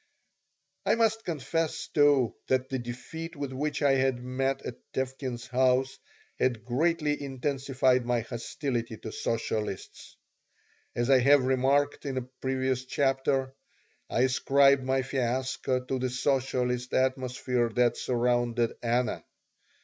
I must confess, too, that the defeat with which I had met at Tevkin's house had greatly intensified my hostility to socialists. As I have remarked in a previous chapter, I ascribed my fiasco to the socialist atmosphere that surrounded Anna.